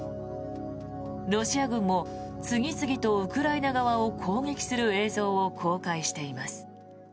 ロシア軍も次々とウクライナ側を攻撃する映像を公開しています。